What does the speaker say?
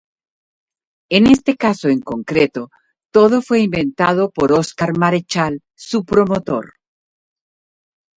En este caso en concreto, todo fue inventado por Oscar Marechal, su promotor.